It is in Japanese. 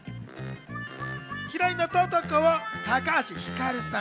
ヒロインのトト子は高橋ひかるさん。